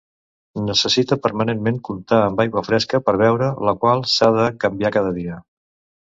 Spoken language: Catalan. Necessita permanentment comptar amb aigua fresca per beure, la qual s'ha de canviar cada dia.